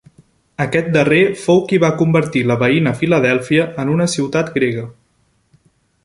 Aquest darrer fou qui va convertir la veïna Filadèlfia en una ciutat grega.